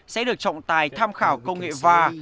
sẽ được trọng tài tham khảo công nghệ va